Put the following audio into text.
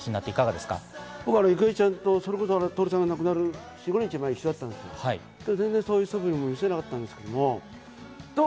僕は郁恵ちゃんと徹さんが亡くなる４５日前、一緒だったですけど、全然そういうそぶり見せなかったんですけども。